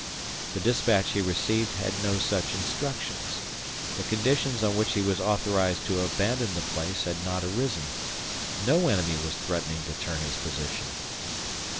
The dispatch he received had no such instructions; the conditions on which he was authorized to abandon the place had not arisen; no enemy was threatening to turn his position.